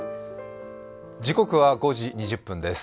時刻は５時２０分です。